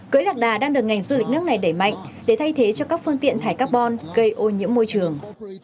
cưới lạc đà đang được ngành du lịch nước này đẩy mạnh để thay thế cho các phương tiện thải carbon gây ô nhiễm môi trường